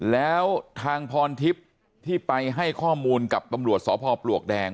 แล้วทางพรทิพย์ที่ไปให้ข้อมูลกับตำรวจสพปลวกแดง